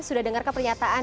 sudah dengarkan pernyataan